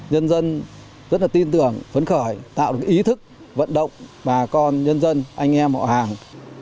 nhân dân rất là tin tưởng phấn khởi tạo được ý thức vận động bà con nhân dân anh em họ hàng